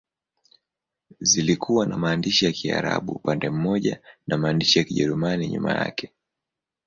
Zilikuwa na maandishi ya Kiarabu upande mmoja na maandishi ya Kijerumani nyuma yake.